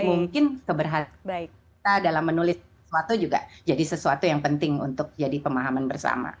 mungkin keberhasilan kita dalam menulis sesuatu juga jadi sesuatu yang penting untuk jadi pemahaman bersama